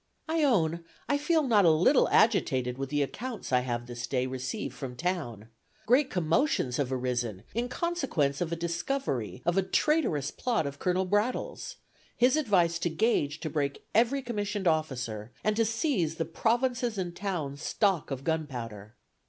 "I own I feel not a little agitated with the accounts I have this day received from town; great commotions have arisen in consequence of a discovery of a traitorous plot of Colonel Brattle's, his advice to Gage to break every commissioned officer and to seize the province's and town's stock of gunpowder.